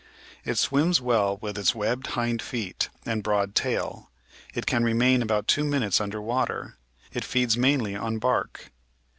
It swims well with its webbed hind feet and broad tail; it can remain about two minutes under water ; it feeds mainly on bark.